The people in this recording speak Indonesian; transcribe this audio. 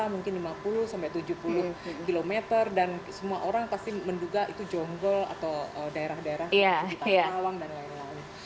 jadi mungkin lima puluh sampai tujuh puluh kilometer dan semua orang pasti menduga itu jonggol atau daerah daerah juta lawang dan lain lain